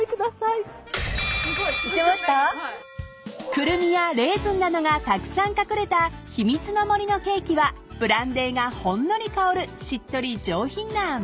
［クルミやレーズンなどがたくさん隠れた秘密の森のケーキはブランデーがほんのり香るしっとり上品な甘さ］